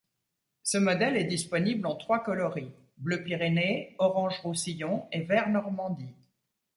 Ce modèle est disponible en trois coloris, bleu Pyrénées, orange Roussillon et vert Normandie.